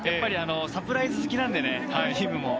サプライズ好きなのでね、輪夢も。